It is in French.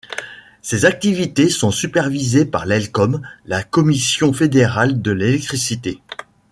Ses activités sont supervisées par l'ElCom, la Commission fédérale de l’électricité.